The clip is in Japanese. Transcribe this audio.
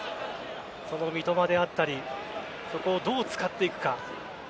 その三笘であったりそこをどう使っていくか。